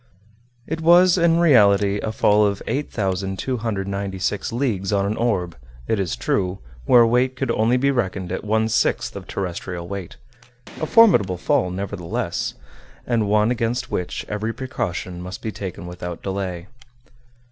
It was in reality a fall of 8,296 leagues on an orb, it is true, where weight could only be reckoned at one sixth of terrestrial weight; a formidable fall, nevertheless, and one against which every precaution must be taken without delay.